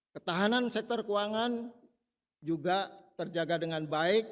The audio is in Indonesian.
ketahanan sektor keuangan juga terjaga dengan baik